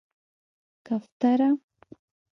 🕊 کفتره